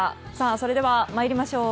それでは参りましょう。